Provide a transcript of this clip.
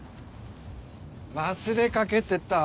忘れかけてた。